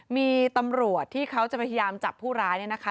มีตำรวจที่เขาจะพยายามจับผู้ร้ายเนี่ยนะคะ